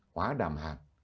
hóa đàm hàng